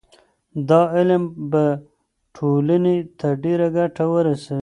دا علم به ټولنې ته ډېره ګټه ورسوي.